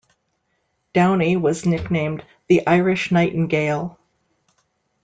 Downey was nicknamed "The Irish Nightingale".